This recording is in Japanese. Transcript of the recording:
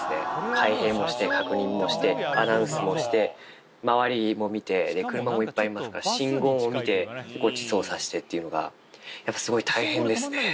開閉もして、確認もして、アナウンスもして、周りも見て、車もいっぱいいますから、信号も見て、こっち操作してっていうのが、やっぱりすごい大変ですね。